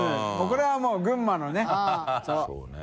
發これはもう群馬のね。